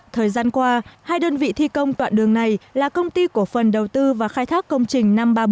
thời gian qua hai đơn vị thi công đoạn đường này là công ty cổ phần đầu tư và khai thác công trình năm trăm ba mươi bảy